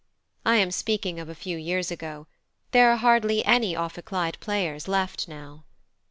I am speaking of a few years ago; there are hardly any ophicleide players left now.